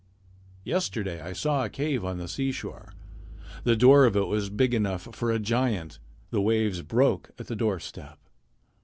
Yesterday I saw a cave on the seashore. The door of it was big enough for a giant. The waves broke at the doorstep.